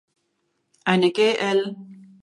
Eine gl